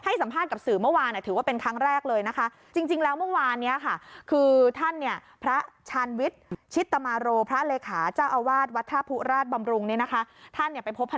ให้สัมภาษณ์กับศูมิเมื่อวาน